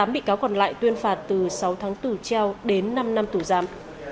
năm mươi tám bị cáo còn lại tuyên phạt từ sáu tháng tù treo đến năm năm tù giám